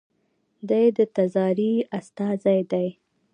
دی د تزار استازی دی.